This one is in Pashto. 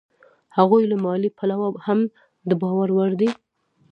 هغوی له مالي پلوه هم د باور وړ دي